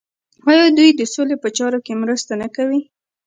آیا دوی د سولې په چارو کې مرسته نه کوي؟